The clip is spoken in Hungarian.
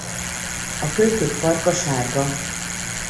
A kölykök farka sárga.